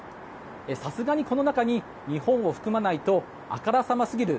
さすがに、この中に日本を含まないとあからさますぎる。